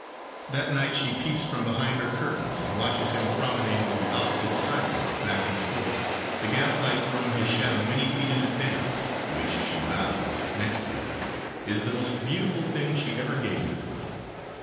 That night she peeps from behind her curtains and watches him promenade the opposite sidewalk back and forth, the gaslight throwing his shadow many feet in advance, which, she vows next to him is the most beautiful thing she ever gazed upon.